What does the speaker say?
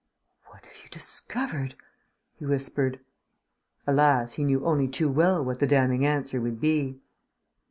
"What have you discovered?" he whispered. Alas! he knew only too well what the damning answer would be.